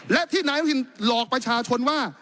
และที่นายลอกประชาชนว่า